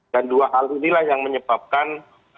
dan dua hal inilah yang menyebabkan